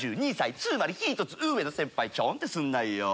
つまりひとつ上の先輩ちょんってすなよ